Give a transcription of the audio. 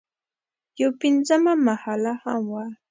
یوه پنځمه محله هم وه.